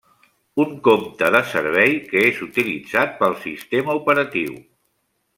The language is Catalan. Un compte de servei que és utilitzat pel sistema operatiu.